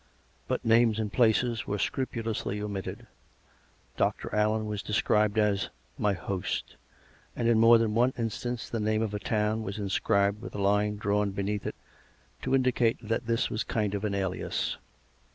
But names and places were scrupulously omitted. Dr. Allen was de scribed as " my host "; and, in more than one instance, the name of a town was inscribed with a line drawn beneath it to indicate that this was a kind of alias.